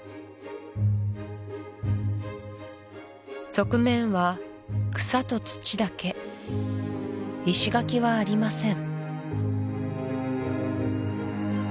側面は草と土だけ石垣はありません